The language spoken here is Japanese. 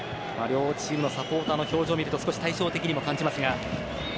両チームのサポーターの表情を見ると少し対照的にも感じますが。